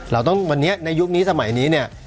เราต้องวันนี้ในยุคนี้สมัยนี้เนี่ย